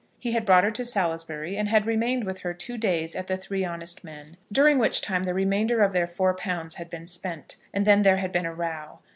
He had brought her to Salisbury, and had remained with her two days at the Three Honest Men, during which time the remainder of their four pounds had been spent; and then there had been a row.